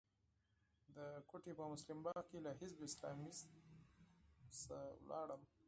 د کوټې په مسلم باغ کې له اسلامي حزب څخه ولاړم.